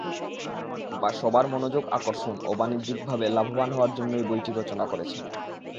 বা সবার মনযোগ আকর্ষণ ও বাণিজ্যিকভাবে লাভবান হওয়ার জন্যই বইটি রচনা করেছেন।